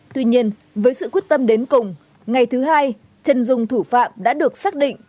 tuy nhiên với sự quyết tâm đến cùng ngày thứ hai chân dung thủ phạm đã được xác định